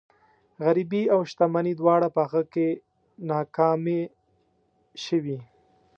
غريبي او شتمني دواړه په هغه کې ناکامې شوي.